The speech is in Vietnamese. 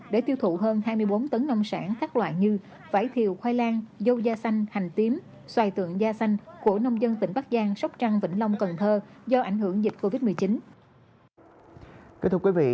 để tiêu thụ hơn hai mươi bốn tấn nông sản các loại như vải thiều khoai lang dâu da xanh hành tím xoài tượng da xanh của nông dân tỉnh bắc giang sóc trăng vĩnh long cần thơ do ảnh hưởng dịch covid một mươi chín